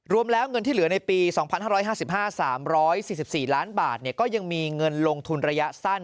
รวมแล้วเงินที่เหลือในปี๒๕๕๓๔๔ล้านบาทก็ยังมีเงินลงทุนระยะสั้น